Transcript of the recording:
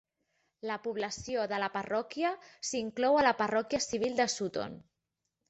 La població de la parròquia s'inclou a la parròquia civil de Sutton.